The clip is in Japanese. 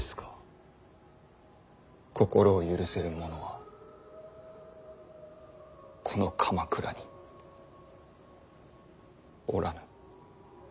心を許せる者はこの鎌倉におらぬ。